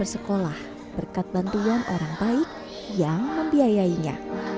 sekolah berkat bantuan orang baik yang membiayainya